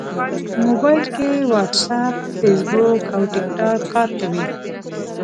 موبایل کې واټساپ، فېسبوک او ټېکټاک کار کوي.